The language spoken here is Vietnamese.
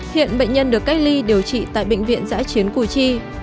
hiện bệnh nhân được cách ly điều trị tại bệnh viện giãi chiến cùi chi